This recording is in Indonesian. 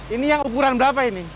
ini yang ukuran berapa ini